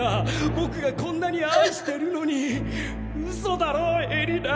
僕がこんなに愛してるのに嘘だろ絵里菜